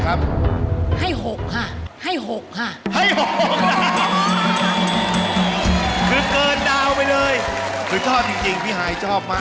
คือทอดจริงพี่หายชอบมาก